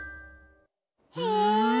へえ。